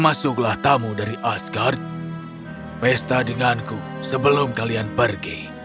masuklah tamu dari asgard pesta denganku sebelum kalian pergi